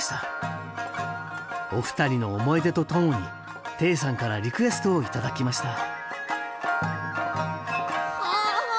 お二人の思い出とともに貞さんからリクエストを頂きました